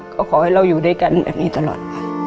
ก็ขอให้เราอยู่ด้วยกันแบบนี้ตลอด